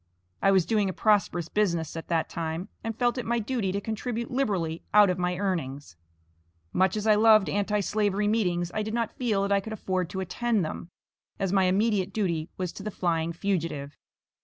I was doing a prosperous business at that time and felt it my duty to contribute liberally out of my earnings. Much as I loved Anti slavery meetings I did not feel that I could afford to attend them, as my immediate duty was to the flying fugitive.